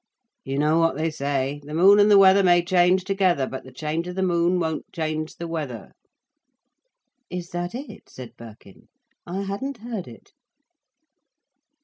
"You know what they say? The moon and the weather may change together, but the change of the moon won't change the weather." "Is that it?" said Birkin. "I hadn't heard it."